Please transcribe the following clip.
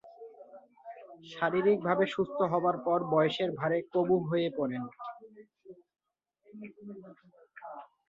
শারীরিকভাবে সুস্থ হবার পর বয়সের ভারে কাবু হয়ে পড়েন।